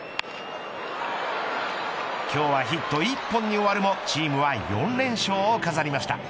今日はヒット１本に終わるもチームは４連勝を飾りました。